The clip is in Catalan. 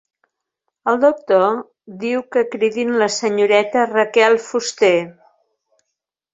El doctor diu que cridin la senyoreta Raquel Fuster.